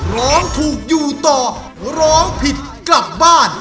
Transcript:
ร้องถูกอยู่ต่อร้องผิดกลับบ้าน